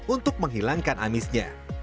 untuk menghilangkan amisnya